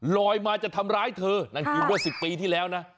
ลอยมาจะทำร้ายเธอนั่นคือเมื่อ๑๐ปีที่แล้วนะ